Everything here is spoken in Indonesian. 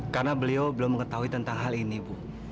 karena beliau belum mengetahui tentang hal ini bu